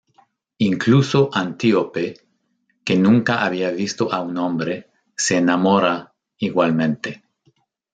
Incluso Antíope, que nunca había visto a un hombre, se enamora igualmente.